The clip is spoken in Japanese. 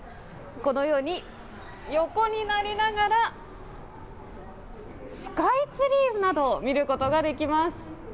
このように横になりながらスカイツリーなど見ることができます。